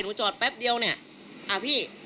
หนูจอดแป๊บเดียวเนี่ย